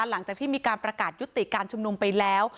หลังจากที่มีการประกาศยุติการชุมนุมไปแล้ว